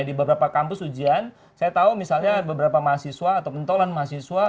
di beberapa kampus ujian saya tahu misalnya beberapa mahasiswa atau pentolan mahasiswa